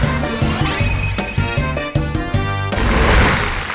มันจริง